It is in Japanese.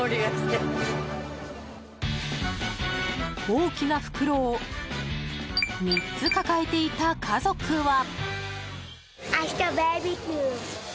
大きな袋を３つ抱えていた家族は。